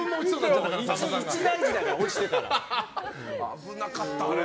一大事だから、落ちたら。